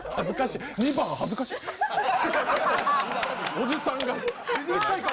おじさんが。